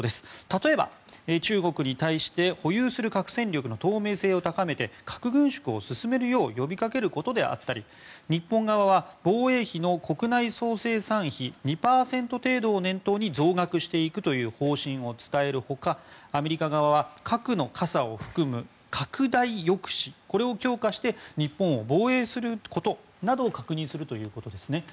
例えば、中国に対して保有する核戦力の透明性を高めて核軍縮を進めるよう呼びかけることであったり日本側は防衛費の国内総生産比２％程度を念頭に増額していくという方針を伝える他アメリカ側は核の傘を含む拡大抑止を強化して日本を防衛することなどを確認するということですね。